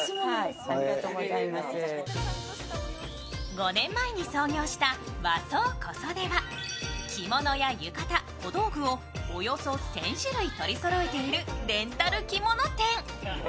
５年前に創業した和装小袖は着物や浴衣などをおよそ１０００種類取りそろえているレンタル着物店。